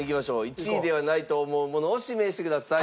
１位ではないと思うものを指名してください。